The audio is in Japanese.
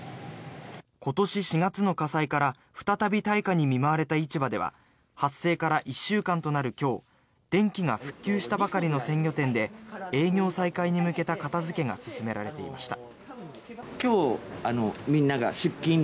今年４月の火災から再び大火に見舞われた市場では発生から１週間となる今日電気が復旧したばかりの鮮魚店で営業再開に向けた片付けが進められていました。